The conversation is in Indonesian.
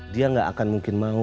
dia gak akan mungkin mau